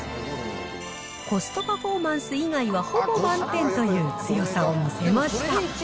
コストパフォーマンス以外はほぼ満点という、強さを見せました。